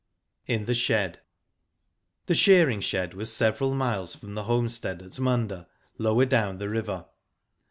IN THE SHED. The shearing shed was several miles from the homestead at Munda, lo>ver down the river.